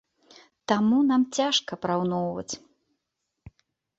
Таму нам цяжка параўноўваць.